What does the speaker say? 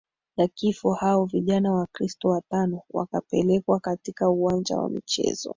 ya kifo Hao vijana Wakristo watano wakapelekwa katika uwanja wa michezo